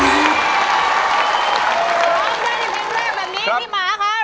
นักสู้ชีวิตแต่ละคนก็ฝ่าฟันและสู้กับเพลงนี้มากก็หลายรอบ